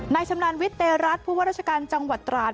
ชำนาญวิทเตรัฐผู้ว่าราชการจังหวัดตราด